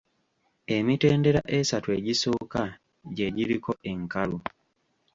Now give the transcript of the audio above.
Emitendera esatu egisooka gye giriko enkalu.